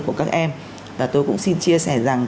của các em và tôi cũng xin chia sẻ rằng